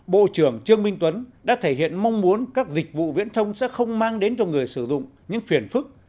bộ trưởng trương minh tuấn đã thể hiện mong muốn các dịch vụ viễn thông sẽ không mang đến cho người sử dụng những phiền phức